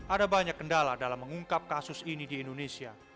ada banyak kendala dalam mengungkap kasus ini di indonesia